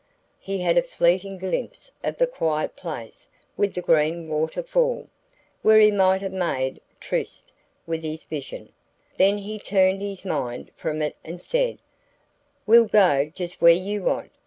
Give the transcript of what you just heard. He had a fleeting glimpse of the quiet place with the green water fall, where he might have made tryst with his vision; then he turned his mind from it and said: "We'll go just where you want.